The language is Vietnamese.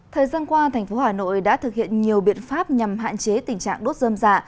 thời gian qua thành phố hà nội đã thực hiện nhiều biện pháp nhằm hạn chế tình trạng đốt dơm dạ